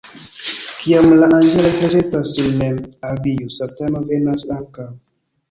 Kiam la anĝeloj prezentas sin mem al Dio, Satano venas ankaŭ.